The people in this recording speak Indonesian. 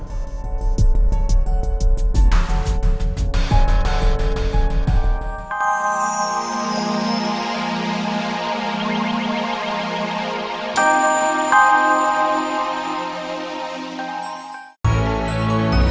apa kamu dimana sekarang